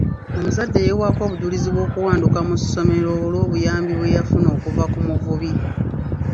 Omuzadde yeewaako obujulizi bw'okuwanduka mu ssomero olw'obuyambi bwe yafuna okuva ku muvubi.